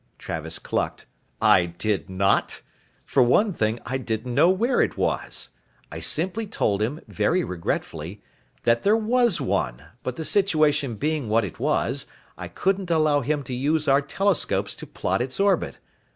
Travis clucked. "I did not. For one thing, I didn't know where it was. I simply told him, very regretfully, that there was one, but the situation being what it was, I couldn't allow him to use our telescopes to plot its orbit.